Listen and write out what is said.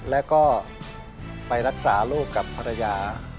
แล้วก็ไปรักษาลูกกับภรรยา